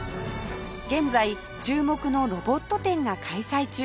現在注目のロボット展が開催中